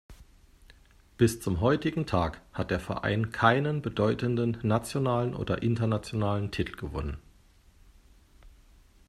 Bis zum heutigen Tag hat der Verein keinen bedeutenden nationalen oder internationalen Titel gewonnen.